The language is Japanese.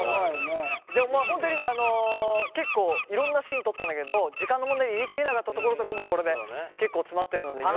でもまあ本当に結構いろんなシーン撮ったんだけど時間の問題で入れ切れなかったところとかもこれで結構詰まってるので。